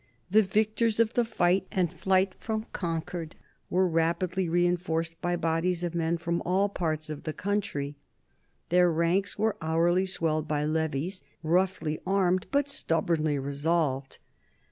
The victors of the fight and flight from Concord were rapidly reinforced by bodies of men from all parts of the country; their ranks were hourly swelled by levies roughly armed but stubbornly resolved.